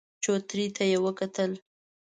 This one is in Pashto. چوترې ته يې وکتل.